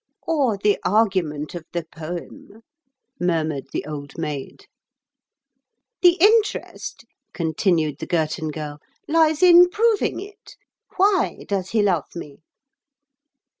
"Or the argument of the poem," murmured the Old Maid. "The interest," continued the Girton Girl, "lies in proving it—why does he love me?"